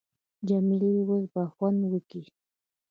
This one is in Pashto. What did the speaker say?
جمیلې اوس به خوند وکي.